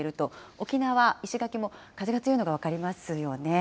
沖縄・石垣も、風が強いのが分かりますよね。